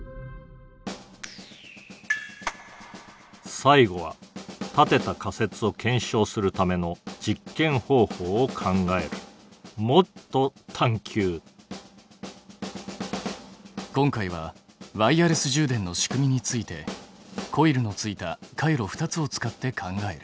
最後は立てた仮説を検証するための実験方法を考える今回はワイヤレス充電の仕組みについてコイルのついた回路２つを使って考える。